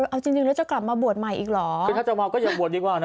เอาจริงแล้วจะกลับมาบวชใหม่อีกเหรอจะมาก็ยังบวชดีกว่าเนอะ